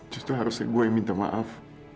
justru harusnya gue yang minta maaf